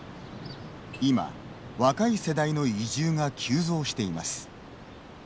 今、若い世代の移住が急増しています。